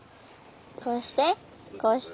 こうしてこうして。